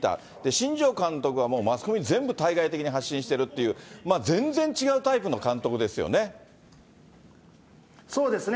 新庄監督はもうマスコミ全部、対外的に発信してるっていう、全然違うタイプの監督ですよね。